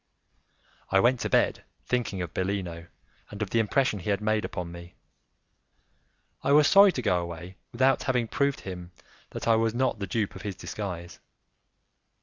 I went to bed thinking of Bellino and of the impression he had made upon me; I was sorry to go away without having proved to him that I was not the dupe of his disguise.